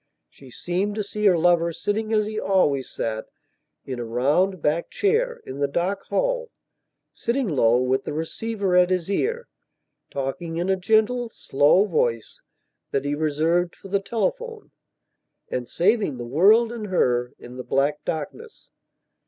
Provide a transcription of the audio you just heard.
She seemed to see her lover sitting as he always sat, in a round backed chair, in the dark hallsitting low, with the receiver at his ear, talking in a gentle, slow voice, that he reserved for the telephoneand saving the world and her, in the black darkness.